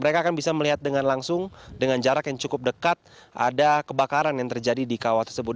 mereka akan bisa melihat dengan langsung dengan jarak yang cukup dekat ada kebakaran yang terjadi di kawah tersebut